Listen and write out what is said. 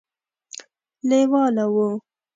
لېواله وو.